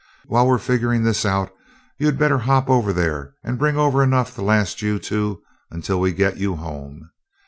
While we're figuring this out you'd better hop over there and bring over enough to last you two until we get you home.